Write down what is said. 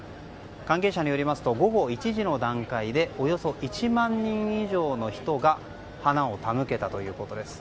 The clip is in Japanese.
関係者によりますと午後１時の段階でおよそ１万人以上の人が花を手向けたということです。